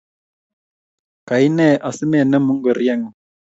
Kaine asimenemu ngoriengung?